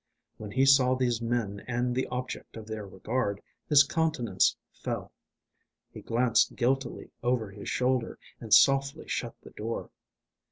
When he saw these men and the object of their regard, his countenance fell. He glanced guiltily over his shoulder, and softly shut the door.